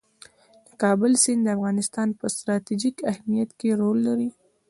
د کابل سیند د افغانستان په ستراتیژیک اهمیت کې رول لري.